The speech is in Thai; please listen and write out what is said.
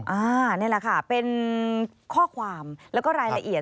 อันนี้แหละค่ะเป็นข้อความแล้วก็รายละเอียด